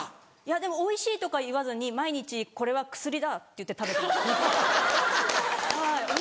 でもおいしいとか言わずに毎日「これは薬だ」って言って食べてますね。